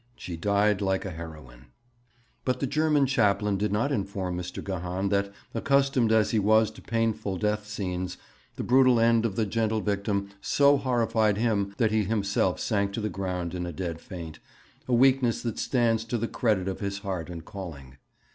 'She died like a heroine.' But the German chaplain did not inform Mr. Gahan that, accustomed as he was to painful death scenes, the brutal end of the gentle victim so horrified him that he himself sank to the ground in a dead faint a weakness that stands to the credit of his heart and calling.